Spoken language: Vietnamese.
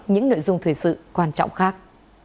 những nội dung thời sự quan trọng khác